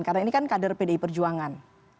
karena ini kan kader pdi perjuangan